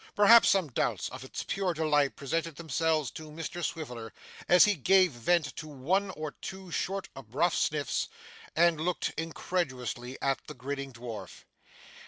Perhaps some doubts of its pure delight presented themselves to Mr Swiveller, as he gave vent to one or two short abrupt sniffs, and looked incredulously at the grinning dwarf.